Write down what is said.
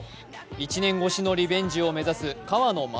１年越しのリベンジを目指す川野将